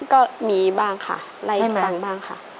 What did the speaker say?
ก็มีบ้างค่ะไล่ให้ฟังบ้างค่ะ